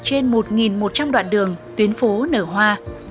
trên một một trăm linh đoạn đường tuyến phố nở hoa